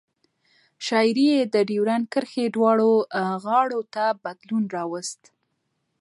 شاعري یې د ډیورند کرښې دواړو غاړو ته بدلون راوست.